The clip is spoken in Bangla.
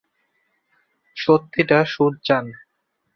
সত্যিটা, সুজ্যান।